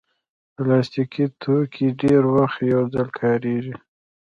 پلاستيکي توکي ډېری وخت یو ځل کارېږي.